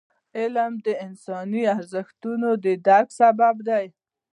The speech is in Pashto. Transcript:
علم د انساني ارزښتونو د درک سبب دی.